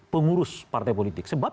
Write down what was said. pengurus partai politik sebab